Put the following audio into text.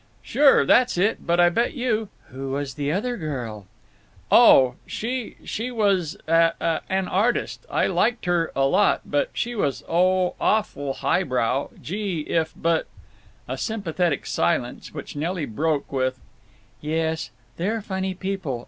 "Sure. That's it. But I bet you—" "Who was the other girl?" "Oh! She…. She was a—an artist. I liked her—a lot. But she was—oh, awful highbrow. Gee! if—But—" A sympathetic silence, which Nelly broke with: "Yes, they're funny people.